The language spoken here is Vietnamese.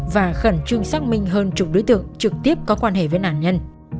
và khẩn trương xác minh hơn chục đối tượng trực tiếp có quan hệ với nạn nhân